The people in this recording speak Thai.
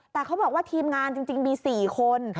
แต่เขาบอกว่าทีมงานจริงมี๔คน